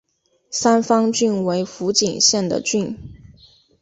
三方郡为福井县的郡。